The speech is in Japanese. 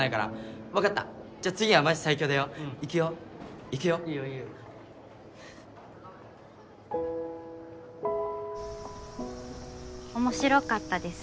じゃあ次はマジ最強だよいくよいいよいいふふっ面白かったです。